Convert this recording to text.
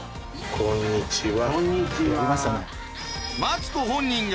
こんにちは。